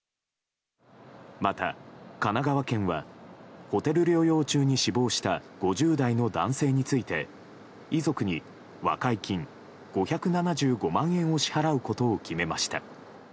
また神奈川県はホテル療養中に死亡した５０代の男性について遺族に、和解金５７５万円を支払うことを決めました。